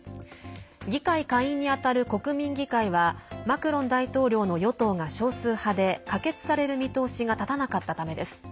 議会下院にあたる国民議会はマクロン大統領の与党が少数派で可決される見通しが立たなかったためです。